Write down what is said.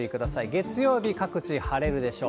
月曜日、各地晴れるでしょう。